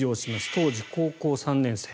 当時、高校３年生。